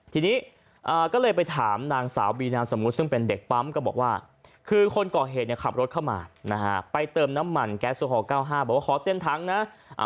ทีนี้ก็เลยไปถามนางสาวบีนามสมมุติซึ่งเป็นเด็กปั๊มก็บอกว่าคือคนก่อเหตุเนี่ยขับรถเข้ามานะฮะไปเติมน้ำมันแก๊สโอฮอล๙๕บอกว่าขอเต้นถังนะ